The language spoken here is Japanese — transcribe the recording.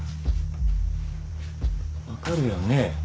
分かるよね？